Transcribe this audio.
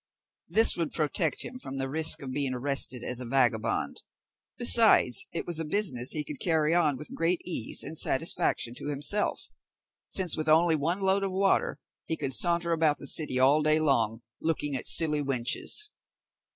This would protect him from the risk of being arrested as a vagabond; besides, it was a business he could carry on with great ease and satisfaction to himself, since with only one load of water, he could saunter about the city all day long, looking at silly wenches.